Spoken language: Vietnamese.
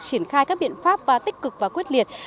triển khai các biện pháp tích cực và quyết liệt